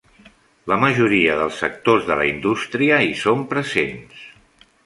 La majoria dels actors de la indústria hi són presents.